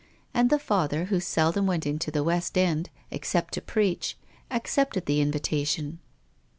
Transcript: And the Father, who seldom went into the West End, except to preach, accepted the invitation.